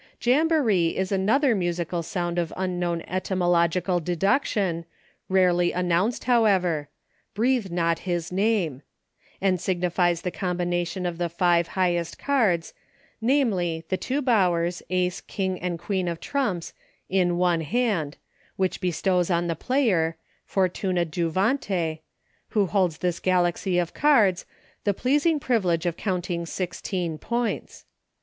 Jamboree is another musical sound of unknown etymological deduction, rarely an nounced, however —" breathe not his name" — and signifies the combination of the five high est cards, namely, the two Bowers, Ace, King, and Queen of trumps, in one hand, which be stows on the player— fortuna juvante — who holds this galaxy of cards, the pleasing priv ilege of counting sixteen points.